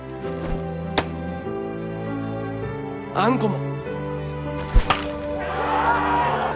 あんこも。